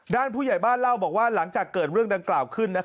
ผู้ใหญ่บ้านเล่าบอกว่าหลังจากเกิดเรื่องดังกล่าวขึ้น